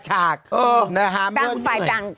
ต่างฝ่ายต่าง